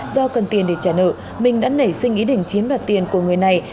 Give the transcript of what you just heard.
do cần tiền để trả nợ minh đã nảy sinh ý định chiếm đoạt tiền của người này